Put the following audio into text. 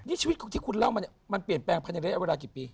นี่ชีวิตที่คุณเล่ามาเนี้ยมันเปลี่ยนแปลงพันอย่างไรเอาเวลากี่ปี